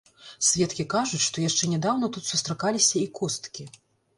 Сведкі кажуць, што яшчэ нядаўна тут сустракаліся і косткі.